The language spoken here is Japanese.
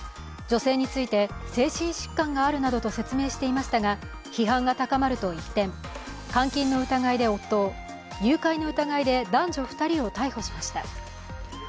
女性について、精神疾患があるなどと説明していましたが批判が高まると一転、監禁の疑いで夫を誘拐の疑いで男女２人を逮捕しました。